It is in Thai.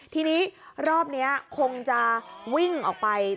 ทีนี้รอบนี้คงจะวิ่งออกไป